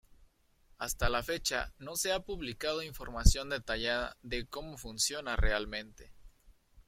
Hasta la fecha, no se ha publicado información detallada de cómo funciona realmente.